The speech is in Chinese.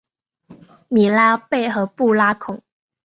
米拉贝和布拉孔。